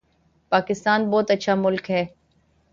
پاکستان بہت اچھا ملک ہے